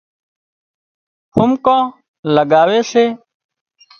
قومڪان لڳاوي سي